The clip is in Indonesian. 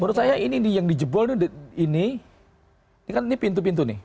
menurut saya ini nih yang dijebol ini ini kan ini pintu pintu nih